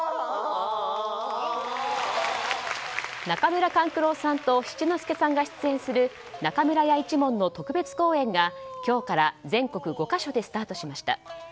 中村勘九郎さんと七之助さんが出演する中村屋一門の特別公演が今日から全国５か所でスタートしました。